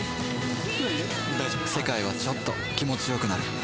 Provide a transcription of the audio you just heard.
世界はちょっと気持ちよくなる